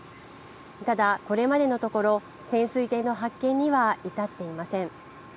ただ、これまでのところ潜水艇の発見には至っていません。